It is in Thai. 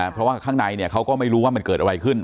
เพราะว่าข้างในเขาก็ไม่รู้ว่ามันเกิดอะไรขึ้น